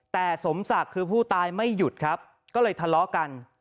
แต่สมศักดิ์คือผู้ตายไม่หยุดครับก็เลยทะเลาะกัน